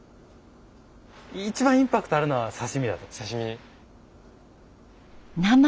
一番インパクトあるのは刺身だと思う。